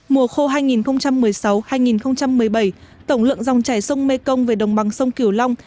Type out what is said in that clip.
mùa khô hai nghìn một mươi sáu hai nghìn một mươi bảy tổng lượng dòng chảy sông mê công về đồng bằng sông kiểu long